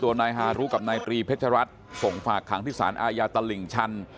ตัวไนฮารุกับนายตีเพตรฤทธรรพ์ส่งฝากขังที่สารอายอาตลิงชัน